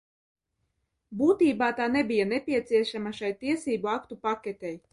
Būtībā tā nebija nepieciešama šai tiesību aktu paketei.